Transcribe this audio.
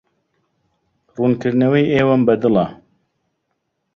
ڕوونکردنەوەی ئێوەم بەدڵە.